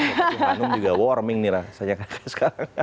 cuman juga warming nih rasanya sekarang